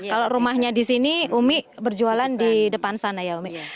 kalau rumahnya di sini umi berjualan di depan sana ya umi